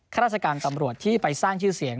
ข้าราชการตำรวจที่ไปสร้างชื่อเสียง